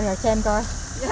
dạ cho con vô xem với